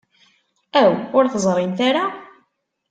Aw, ur teẓrimt ara?